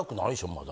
まだ。